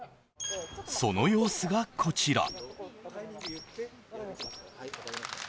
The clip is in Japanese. その様子がこちら。